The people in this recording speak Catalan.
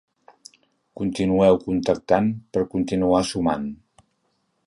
Continueu contactant per continuar sumant.